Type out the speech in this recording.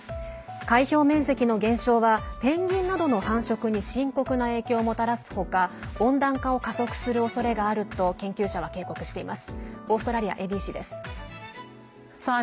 海氷面積の減少はペンギンなどの繁殖に深刻な影響をもたらす他温暖化を加速するおそれがあると研究者は警告しています。